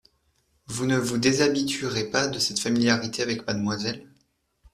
Vous ne vous déshabituerez pas de cette familiarité avec mademoiselle ?